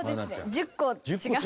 １０個違う。